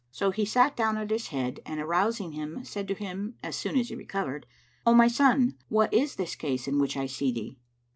So he sat down at his head and arousing him, said to him as soon as he recovered, "O my son, what is this case in which I see thee?"